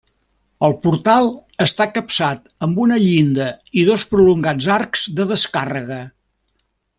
El portal està capçat amb una llinda i dos prolongats arcs de descàrrega.